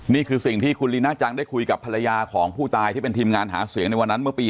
นี่คือสิ่งที่คุณลีน่าจังได้คุยกับภรรยาของผู้ตายที่เป็นทีมงานหาเสียงในวันนั้นเมื่อปี๒๕